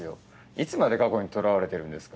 いつまで過去にとらわれてるんですか。